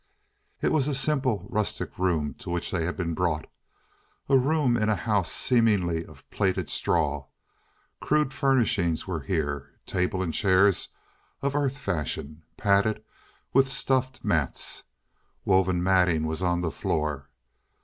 It was a simple rustic room to which they had been brought a room in a house seemingly of plaited straw. Crude furnishings were here table and chairs of Earth fashion, padded with stuffed mats. Woven matting was on the floor.